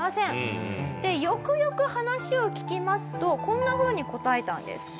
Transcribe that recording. でよくよく話を聞きますとこんなふうに答えたんです。